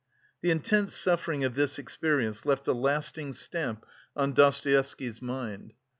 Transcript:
The intense suffering of this experience left a lasting stamp on Dostoevsky's mind.